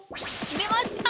出ました！